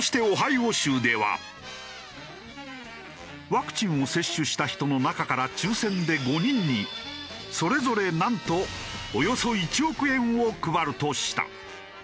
そしてワクチンを接種した人の中から抽選で５人にそれぞれなんとおよそ１億円を配るとした。